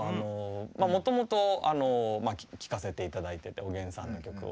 もともと聴かせて頂いてておげんさんの曲を。